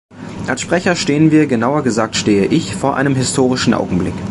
Als Sprecher stehen wir, genauer gesagt stehe ich, vor einem historischen Augenblick.